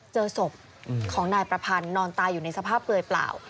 เจอศพของนายประพันธ์นอนตายอยู่ในสภาพเปลือยเปล่า